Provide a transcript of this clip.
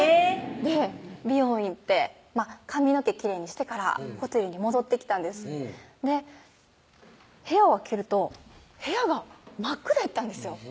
で美容院行って髪の毛きれいにしてからホテルに戻ってきたんです部屋を開けると部屋が真っ暗やったんですよ